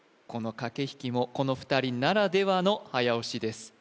この駆け引きもこの２人ならではの早押しです